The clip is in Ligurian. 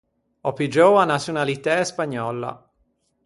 Ò piggiou a naçionalitæ spagnòlla.